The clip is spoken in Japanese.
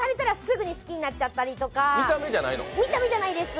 見た目じゃないです